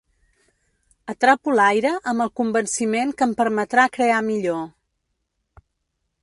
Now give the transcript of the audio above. Atrapo l'aire amb el convenciment que em permetrà crear millor.